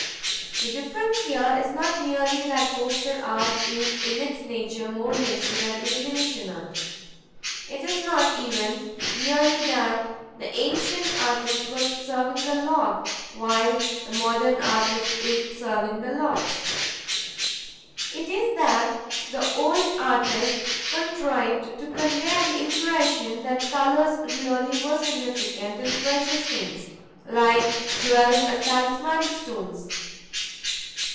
The difference here is not merely that poster art is in its nature more hasty than illumination art; it is not even merely that the ancient artist was serving the Lord while the modern artist is serving the lords. It is that the old artist contrived to convey an impression that colors really were significant and precious things, like jewels and talismanic stones.